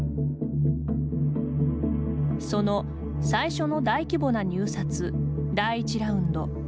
その、最初の大規模な入札第１ラウンド。